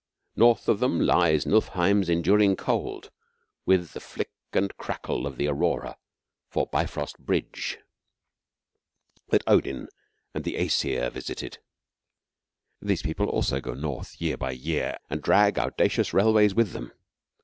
North of them lies Niflheim's enduring cold, with the flick and crackle of the Aurora for Bifrost Bridge that Odin and the Aesir visited. These people also go north year by year, and drag audacious railways with them.